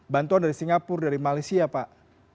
bantuan dari singapura dari malaysia pak